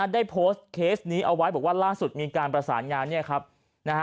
ได้โพสต์เคสนี้เอาไว้บอกว่าล่าสุดมีการประสานงาน